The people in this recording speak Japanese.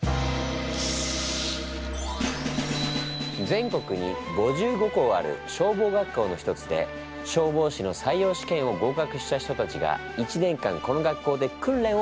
全国に５５校ある消防学校の一つで消防士の採用試験を合格した人たちが１年間この学校で訓練を受けるの。